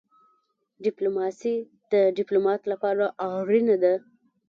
ډيپلوماسي د ډيپلومات لپاره اړینه ده.